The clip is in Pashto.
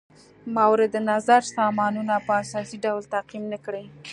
مورد نظر سامانونه په اساسي ډول تعقیم نه کړي.